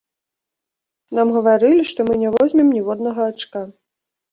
Нам гаварылі, што мы не возьмем ніводнага ачка.